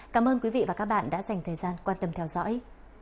cảm ơn quý vị và các bạn đã dành thời gian quan tâm theo dõi